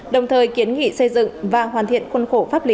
đồng thời kiến nghị xây dựng và hoàn thiện khuôn khổ pháp lý